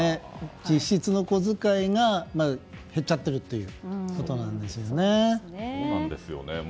実質のお小遣いが減っちゃっているということなんですよね。